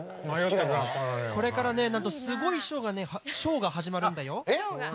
これからすごいショーが始まるんだよ！